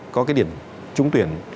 có cái điểm trung tuyển